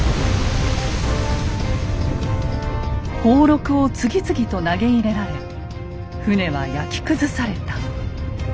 「ほうろくを次々と投げ入れられ船は焼き崩された」。